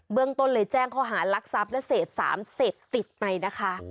เบื้องต้นเลยแจ้งเขาหารักษาพนักเสร็จ๓เสพติดในนะคะ